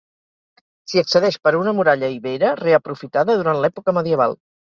S'hi accedeix per una muralla ibera reaprofitada durant l'època medieval.